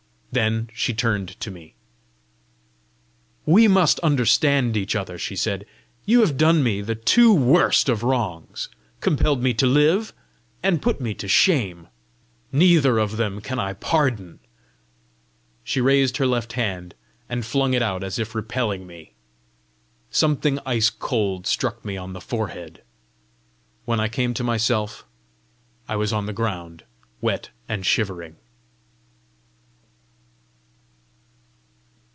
Then she turned to me: "We must understand each other!" she said. " You have done me the two worst of wrongs compelled me to live, and put me to shame: neither of them can I pardon!" She raised her left hand, and flung it out as if repelling me. Something ice cold struck me on the forehead. When I came to myself, I was on the ground, wet and shivering.